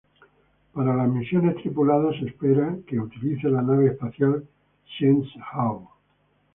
Para las misiones tripuladas, se espera que utilice la nave espacial Shenzhou.